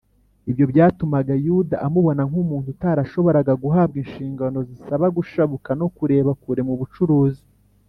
ibyo byatumaga yuda amubona nk’umuntu utarashoboraga guhabwa inshingano zisaba gushabuka no kureba kure mu bucuruzi